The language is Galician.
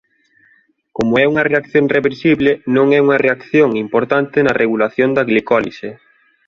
Como é unha reacción reversible non é unha reacción importante na regulación da glicólise.